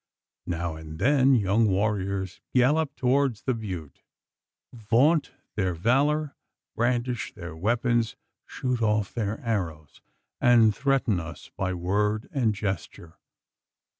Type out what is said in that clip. Now and then, young warriors gallop toward the butte, vaunt their valour, brandish their weapons, shoot off their arrows, and threaten us by word and gesture.